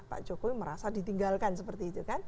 pak jokowi merasa ditinggalkan seperti itu kan